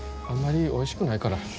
あんまりおいしくないから。